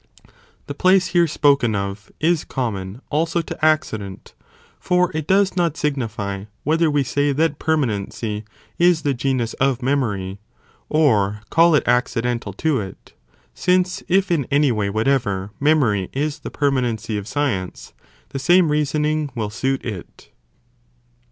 '* The place here spoken « τς anima of, is common also to accident, for it does not Proem. clxvii. signify whether we say that permanency is the 2' Ethics. genus of memory, or call it accidental to it; since if in any way whatever, memory is the permanency of science, the same reasoning will suit it.